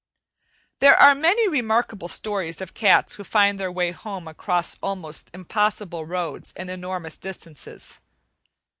There are many remarkable stories of cats who find their way home across almost impossible roads and enormous distances.